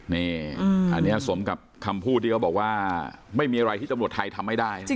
นี่อันนี้สมกับคำพูดที่เขาบอกว่าไม่มีอะไรที่ตำรวจไทยทำไม่ได้